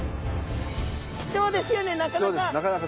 貴重ですよねなかなか。